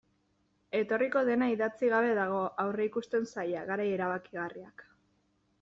Etorriko dena idatzi gabe dago, aurreikusten zaila, garai erabakigarriak...